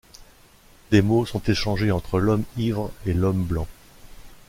Des mots sont échangés entre l'homme ivre et l'homme blanc.